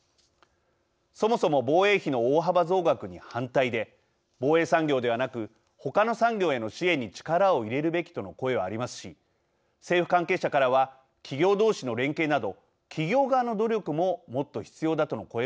そもそも防衛費の大幅増額に反対で防衛産業ではなくほかの産業への支援に力を入れるべきとの声はありますし政府関係者からは企業同士の連携など企業側の努力ももっと必要だとの声も出ています。